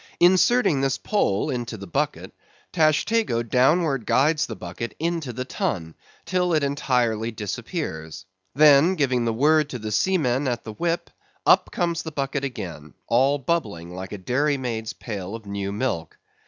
Inserting this pole into the bucket, Tashtego downward guides the bucket into the Tun, till it entirely disappears; then giving the word to the seamen at the whip, up comes the bucket again, all bubbling like a dairy maid's pail of new milk.